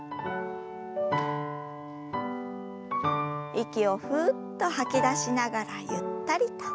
息をふっと吐き出しながらゆったりと。